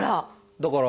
だから。